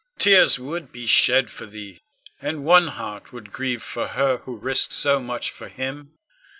Tears would be shed for thee, and one heart would grieve for her who risked so much for him.